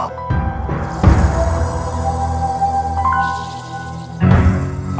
aku sudah siap